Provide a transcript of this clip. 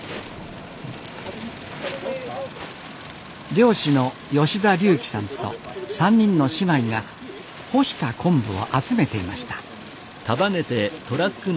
漁師の吉田龍希さんと３人の姉妹が干した昆布を集めていました。